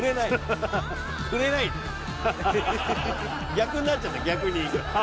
逆になっちゃった逆に。